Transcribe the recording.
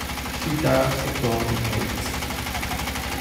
She dials the phone and waits.